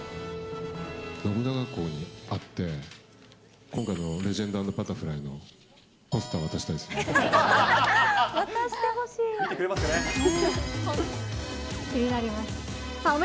信長公に会って、今回のレジェンド＆バタフライのポスター渡したいですね。